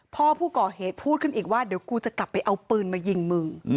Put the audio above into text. พ่อผู้ก่อเหตุพูดขึ้นอีกว่าเดี๋ยวกูจะกลับไปเอาปืนมายิงมึง